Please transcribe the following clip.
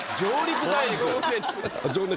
「情熱」。